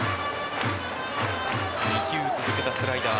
２球続けたスライダー。